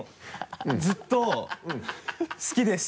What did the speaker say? ずっと好きです。